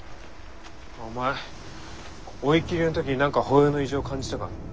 お前追い切りの時何か歩様の異常感じたか？